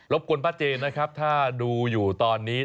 บกวนพระเจนนะครับถ้าดูอยู่ตอนนี้